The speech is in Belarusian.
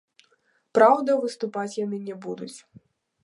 Праўда, выступаць яны не будуць.